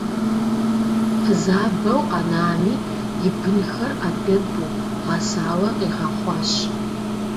Фызабэу къэнами, и бынхэр Ӏэдэбу, гъэсауэ къигъэхъуащ.